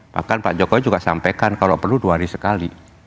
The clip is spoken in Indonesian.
bahkan pak jokowi juga sampaikan kalau perlu dua hari sekali